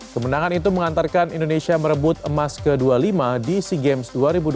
kemenangan itu mengantarkan indonesia merebut emas ke dua puluh lima di sea games dua ribu dua puluh